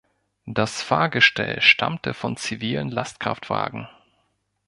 Das Fahrgestell stammte von zivilen Lastkraftwagen.